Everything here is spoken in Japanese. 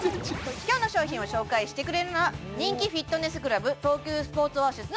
今日の商品を紹介してくれるのは人気フィットネスクラブ